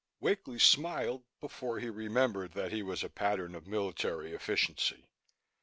Wakely smiled before he remembered that he was a pattern of military efficiency.